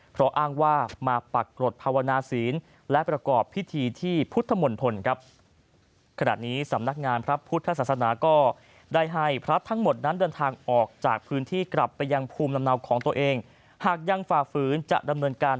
เพราะอ้างว่ามาปรักกรดภาวนาศีลและประกอบพิธีที่พุทธมนตรครับ